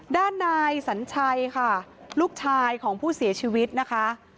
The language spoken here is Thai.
ด้านนายสัญชัยค่ะลูกชายของผู้เสียชีวิตนะคะ